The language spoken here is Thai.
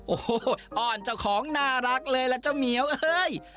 โอ้โหอ้อนเจ้าของน่ารักเลยล่ะเจ้าเหมียวเอ้ย